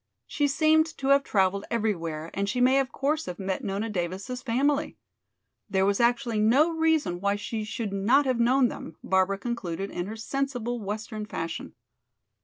She seemed to have traveled everywhere and she may of course have met Nona Davis' family. There was actually no reason why she should not have known them, Barbara concluded in her sensible western fashion.